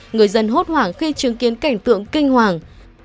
người dân hốt hoảng khi chứng kiến cảnh tượng kinh hoàng